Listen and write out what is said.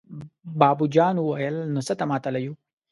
بابو جان وويل: نو څه ته ماتله يو!